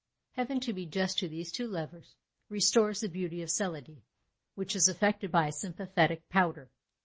Heaven, to be just to these two lovers, restores the beauty of Celidée; which is effected by a sympathetic powder.